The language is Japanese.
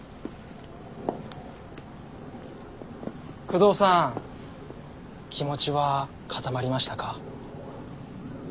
久遠さん気持ちは固まりましたか。